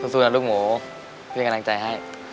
สู้นะลูกหมูเป็นกำลังใจให้